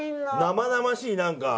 生々しいなんか。